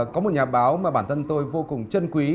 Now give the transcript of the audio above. có một nhà báo mà bản thân tôi vô cùng chân quý